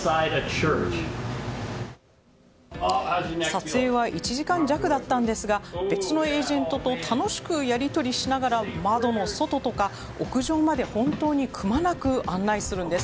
撮影は１時間弱だったんですが別のエージェントと楽しくやり取りしながら窓の外とか屋上まで本当にくまなく案内するんです。